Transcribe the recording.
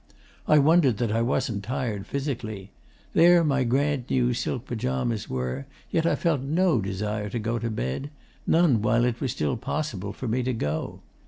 'I wondered that I wasn't tired physically. There my grand new silk pyjamas were, yet I felt no desire to go to bed... none while it was still possible for me to go.